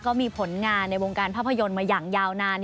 ก็มีผลงานในวงการภาพยนตร์มาอย่างยาวนาน